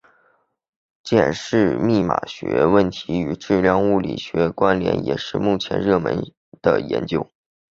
检视密码学问题与量子物理间的关连也是目前热门的研究。